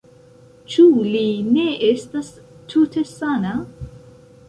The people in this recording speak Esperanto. Ĉu li ne estas tute sana?